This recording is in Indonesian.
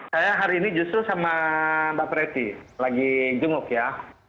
saya hari ini justru sama mbak preti lagi gemuk ya